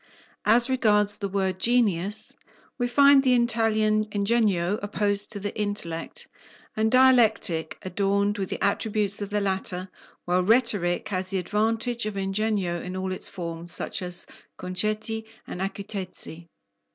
As regards the word "genius," we find the Italian "ingegno" opposed to the intellect, and Dialectic adorned with the attributes of the latter, while Rhetoric has the advantage of "ingegno" in all its forms, such as "concetti" and "acutezze."